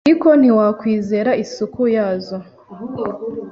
ariko ntiwakwizera isuku yazo